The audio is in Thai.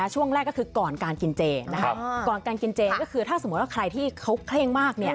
ช่วงแรกก็คือก่อนการกินเจก่อนการกินเจก็คือถ้าสมมุติว่าใครที่เขาเคร่งมาก